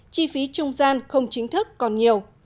chi phí trung gian không chính thức còn nhiều